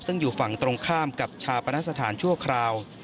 ซึ่งอยู่ฝั่งตรงข้ามกับชาปนสถานชั่วคราว